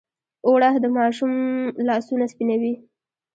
اوړه د ماشوم لاسونه سپینوي